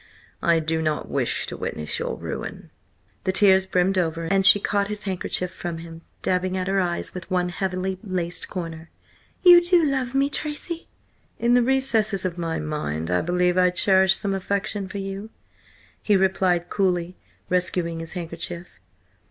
I do not wish to witness your ruin." The tears brimmed over, and she caught his handkerchief from him, dabbing at her eyes with one heavily laced corner. "You do love me, Tracy?" "In the recesses of my mind I believe I cherish some affection for you," he replied coolly, rescuing his handkerchief.